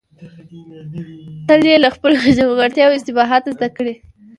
تل يې له خپلو نيمګړتياوو او اشتباهاتو زده کړئ.